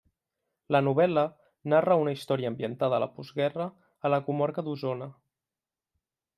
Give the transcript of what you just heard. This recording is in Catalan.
La novel·la narra una història ambientada a la postguerra a la comarca d'Osona.